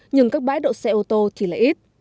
nhưng các bãi đậu xe ô tô thì lại ít